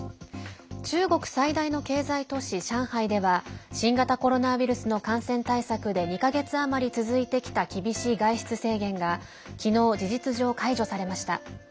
中国最大の経済都市・上海では新型コロナウイルスの感染対策で２か月余り続いてきた厳しい外出制限がきのう事実上、解除されました。